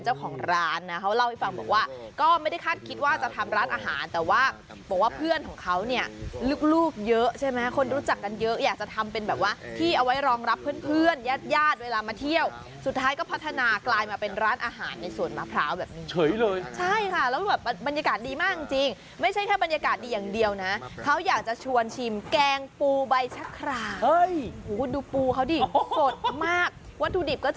ใช่ไหมคนรู้จักกันเยอะอยากจะทำเป็นแบบว่าที่เอาไว้รองรับเพื่อนญาติด้วยเวลามาเที่ยวสุดท้ายก็พัฒนากลายมาเป็นร้านอาหารในสวนมะพร้าวแบบนี้เฉยเลยใช่ค่ะแล้วแบบบรรยากาศดีมากจริงไม่ใช่แค่บรรยากาศดีอย่างเดียวนะเขาอยากจะชวนชิมแกงปูใบชะครามโอ้โหดูปูเขาดิสดมากวัตถุดิบก็